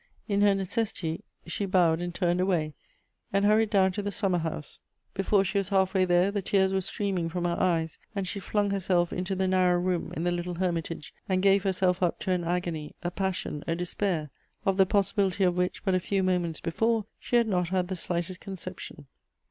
In her necessity, she bowed and turned away, and hurried down to the summer house. Before she was halfway there, the tears were streaming from her eyes, and she flung herself into the narrow room in the little hermitage, and gave herself uj) to an agony, a passion, a despair, of the possibility of which, but a few moments before, she had not had the slightest conception.